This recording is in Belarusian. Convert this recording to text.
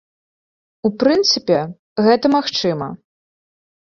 У прынцыпе, гэта магчыма.